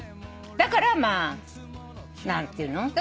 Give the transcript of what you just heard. だからまあ何ていうの？